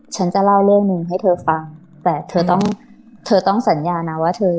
ฉันจะเล่าเรื่องหนึ่งให้เธอฟังแต่เธอต้องเธอต้องสัญญานะว่าเธอ